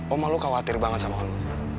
oma lu khawatir banget sama lu